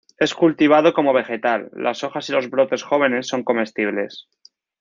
Es cultivado como vegetal; las hojas y los brotes jóvenes son comestibles.